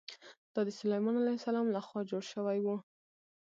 دا د سلیمان علیه السلام له خوا جوړ شوی و.